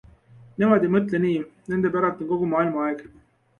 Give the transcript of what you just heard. Nemad ei mõtle nii, nende päralt on kogu maailma aeg.